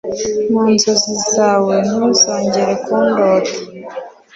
munzozi zawe ntukongere kundota